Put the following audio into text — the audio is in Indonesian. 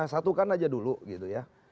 satukan aja dulu gitu ya